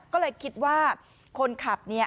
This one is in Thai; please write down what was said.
ก็เลยคิดว่าคนขับเนี่ย